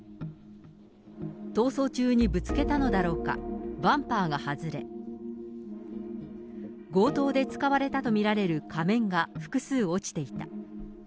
逃走中にぶつけたのだろうか、バンパーが外れ、強盗で使われたと見られる仮面が複数落ちていた。